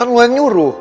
lo gak nyuruh